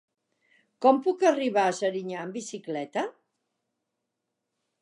Com puc arribar a Serinyà amb bicicleta?